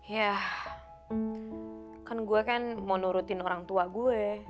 ya kan gue kan mau nurutin orang tua gue